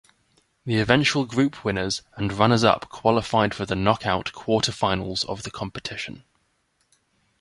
The eventual group winners and runners-up qualified for the knock-out quarter-finals of the competition.